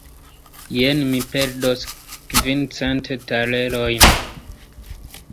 Jen ni perdos kvincent talerojn.